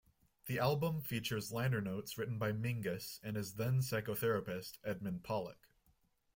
The album features liner notes written by Mingus and his then-psychotherapist, Edmund Pollock.